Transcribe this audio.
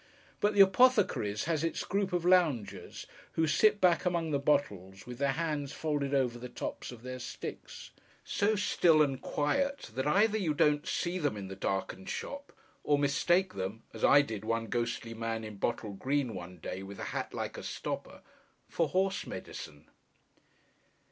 But the apothecary's has its group of loungers, who sit back among the bottles, with their hands folded over the tops of their sticks. So still and quiet, that either you don't see them in the darkened shop, or mistake them—as I did one ghostly man in bottle green, one day, with a hat like a stopper—for Horse Medicine.